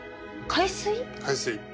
海水。